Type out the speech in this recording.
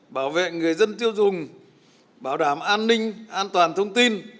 bảo vệ người dân tiêu dùng bảo đảm an ninh an toàn thông tin